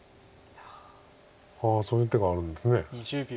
そういう手があるんですね。